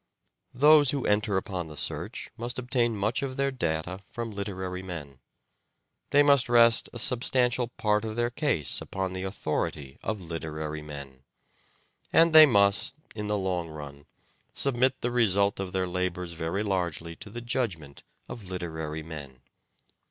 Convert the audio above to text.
Those who enter upon the search must obtain much of their data from literary men; they must rest a substantial part of their case upon the authority of literary men ; and they must, in the long run, submit the result of their labours very largely to the judgment of literary men.